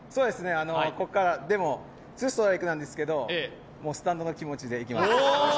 ここから、でもツーストライクですけどスタンドの気持ちでいきます。